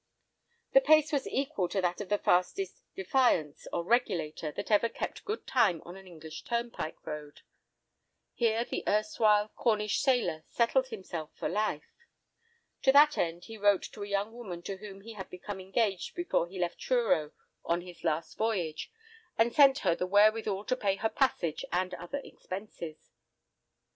The pace was equal to that of the fastest "Defiance" or "Regulator" that ever kept good time on an English turnpike road. Here the erstwhile Cornish sailor settled himself for life. To that end he wrote to a young woman to whom he had become engaged before he left Truro on his last voyage, and sent her the wherewithal to pay her passage and other expenses.